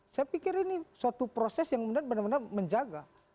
saya pikir ini suatu proses yang benar benar menjaga